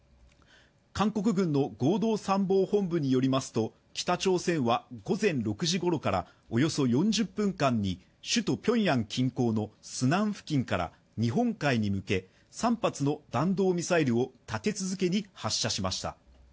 韓国軍の合同参謀本部によりますと北朝鮮は午前６時ごろからおよそ４０分間に首都ピョンヤン近郊のスナン付近から日本海に向け３発の弾道ミサイルを立て続けに発射しました。